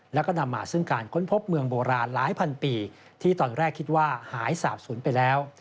แล้วก็นำมาซึ่งการค้นพบเมืองโบราณหลายพันปีที่ตอนแรกคิดว่าหายสาบศูนย์ไปแล้ว